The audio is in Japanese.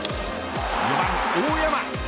４番、大山。